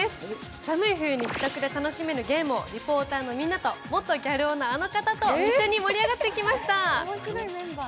寒い冬に自宅で楽しめるゲームを元ギャル男のあの方と一緒に盛り上がってきました。